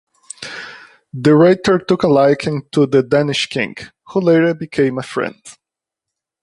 De Ruyter took a liking to the Danish king, who later became a friend.